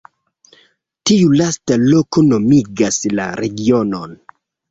Tiu lasta loko nomigas la regionon.